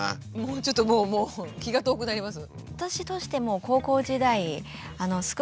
ちょっともう気が遠くなります。